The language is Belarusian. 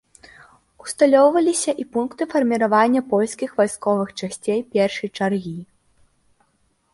Усталёўваліся і пункты фарміравання польскіх вайсковых часцей першай чаргі.